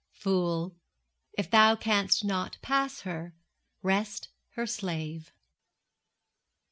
Fool, if thou canst not pass her, rest her slave!